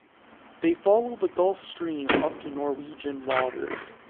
They follow the gulf stream up to Norwegian waters.